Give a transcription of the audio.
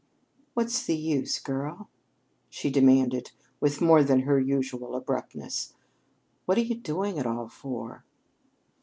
"What's the use, girl?" she demanded with more than her usual abruptness. "What are you doing it all for?"